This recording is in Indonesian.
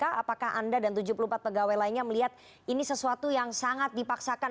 apakah anda dan tujuh puluh empat pegawai lainnya melihat ini sesuatu yang sangat dipaksakan